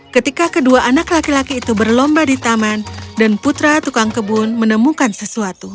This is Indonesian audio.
ketika kedua anak laki laki itu berlomba di taman dan putra tukang kebun menemukan sesuatu